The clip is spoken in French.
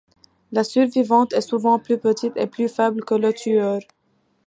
La survivante est souvent plus petite et plus faible que le tueur.